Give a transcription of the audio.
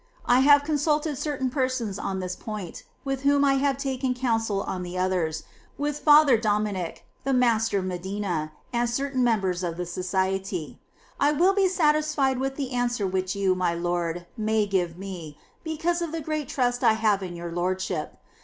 I have consulted certain persons on this point, with whom I had taken counsel on the others, with Fra Dominic, the Master Medina, and certain members of the Society. I will be satisfied with the answer which you, my Lord, may give me, because of the great trust I have in your Lordship.